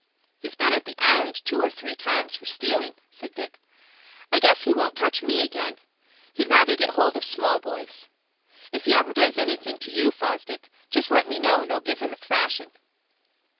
"He's been at the Island two or three times for stealing," said Dick. "I guess he won't touch me again. He'd rather get hold of small boys. If he ever does anything to you, Fosdick, just let me know, and I'll give him a thrashing."